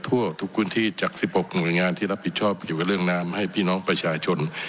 ทั่วทุกพื้นที่จาก๑๖หน่วยงานที่รับผิดชอบเกี่ยวกับเรื่องน้ำให้พี่น้องประชาชน